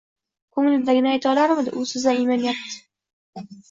Koʻnglidagini ayta olarmidi… U sizdan iymanyapti!